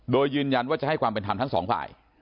โดยยืนยันว่าจะให้ความเป็นธรรมทั้งสองฝ่าย